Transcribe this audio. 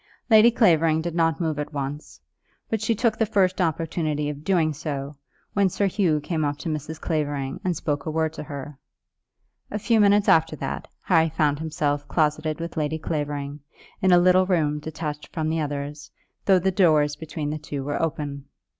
Lady Clavering did not move at once, but she took the first opportunity of doing so, when Sir Hugh came up to Mrs. Clavering and spoke a word to her. A few minutes after that Harry found himself closeted with Lady Clavering, in a little room detached from the others, though the doors between the two were open.